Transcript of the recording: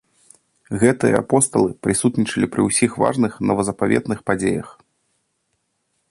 Гэтыя апосталы прысутнічалі пры ўсіх важных новазапаветных падзеях.